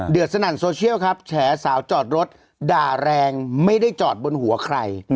สนั่นโซเชียลครับแฉสาวจอดรถด่าแรงไม่ได้จอดบนหัวใคร